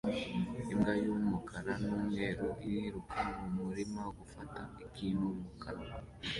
Imbwa y'umukara n'umweru iriruka mu murima gufata ikintu mu kanwa